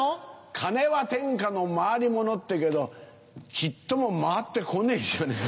「金は天下の回りもの」っていうけどちっとも回って来ねえじゃねぇか。